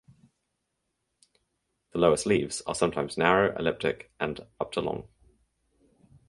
The lowest leaves are sometimes narrow elliptic and up to long.